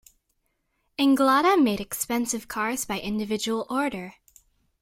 Anglada made expensive cars by individual order.